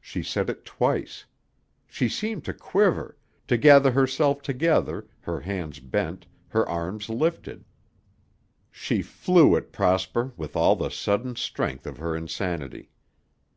She said it twice. She seemed to quiver, to gather herself together, her hands bent, her arms lifted. She flew at Prosper with all the sudden strength of her insanity.